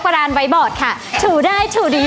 ผ่านยกที่สองไปได้นะครับคุณโอ